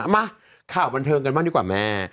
มาข่าวบันเทิงกันบ้างดีกว่าแม่